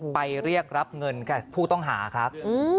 ไปเรียกรับเงินกับผู้ต้องหาครับ